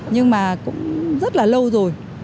nhưng mà cũng rất là lâu rồi